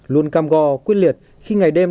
luôn cam go quyết liệt khi ngày đêm